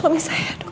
bisa ya dok